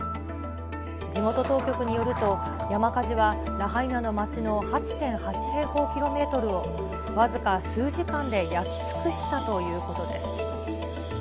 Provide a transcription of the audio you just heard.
地元当局によると、山火事はラハイナの町の８．８平方キロメートルを僅か数時間で焼き尽くしたということです。